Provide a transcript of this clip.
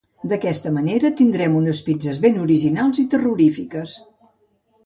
D'aquesta manera, tindrem unes pizzes ben originals i terrorífiques.